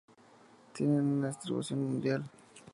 Tienen una distribución mundial.